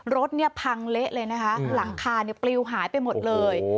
รถเนี่ยพังเละเลยนะคะหลังคาปลิวหายไปหมดเลย